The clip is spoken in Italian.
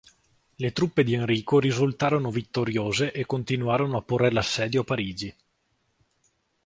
Le truppe di Enrico risultarono vittoriose e continuarono a porre l'assedio a Parigi.